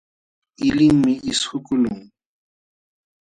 Qilinmi qisququlqun.